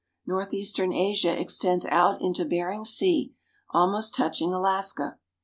Northeastern Asia extends out into Bering Sea, almost touching Alaska.